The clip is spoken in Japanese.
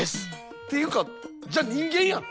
ていうかじゃあ人間やん。